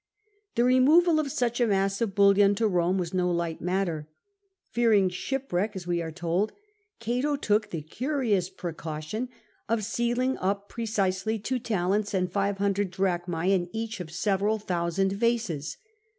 The removal of such a mass of bullion to Rome was no light matter : fearing shipwreck, as we are told, Cato took the curious pre caution of sealing up precisely two talents and 500 drachmae * in each of several thousand vases.